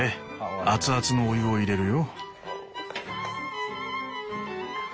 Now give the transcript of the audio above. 熱々のお湯を入れるよ。